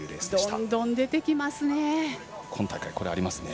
どんどん出てきますね。